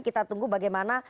kita tunggu bagaimana